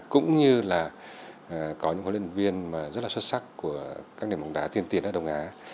cũng như là có những huấn luyện viên rất là xuất sắc của các nền bóng đá tiên tiến ở đông á